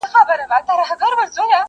ګوندي خدای مو سي پر مېنه مهربانه.!